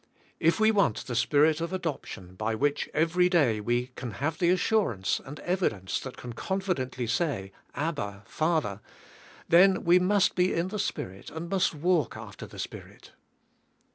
If we want the Spirit of adoption by which every day we can have that assurance and evidence that can con fidently say, "Abba, Father," then we must be in the Spirit and must walk after the Spirit.